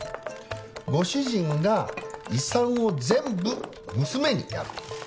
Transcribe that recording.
ご主人が遺産を全部娘にやる。